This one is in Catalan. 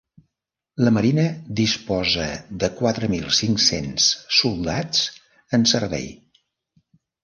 La marina disposa de quatre mil cinc-cents soldats en servei.